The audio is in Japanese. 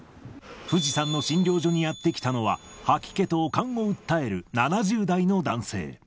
富士山の診療所にやって来たのは、吐き気と悪寒を訴える７０代の男性。